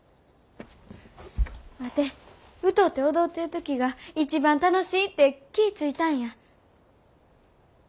ワテ歌うて踊ってる時が一番楽しいって気ぃ付いたんや。